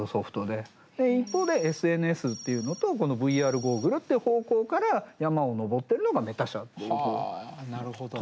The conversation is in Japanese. で一方でＳＮＳっていうのとＶＲゴーグルっていう方向から山を登ってるのがメタ社っていうふうに。はなるほど。